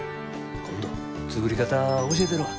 今度作り方教えたるわ。